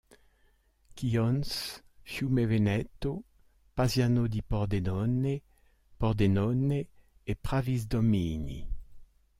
Chions, Fiume Veneto, Pasiano di Pordenone, Pordenone et Pravisdomini.